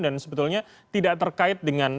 dan sebetulnya tidak terkait dengan